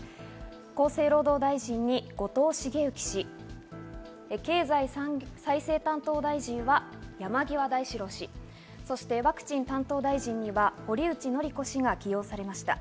厚生労働大臣に後藤茂之氏、経済再生担当大臣は山際大志郎氏、ワクチン担当大臣には堀内詔子氏が起用されました。